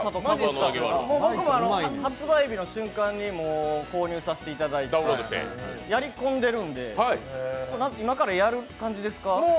僕も発売日の瞬間に購入させていただいてやり込んでるんで今からやる感じですか？